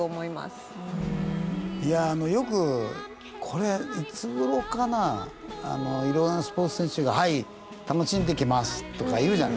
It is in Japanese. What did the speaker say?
いやよくこれいつ頃かないろんなスポーツ選手が「はい楽しんできます」とか言うじゃないですか。